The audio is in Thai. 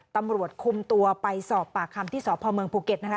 ตำรวจคุมตัวไปสอบปากคำที่สพเมืองภูเก็ตนะคะ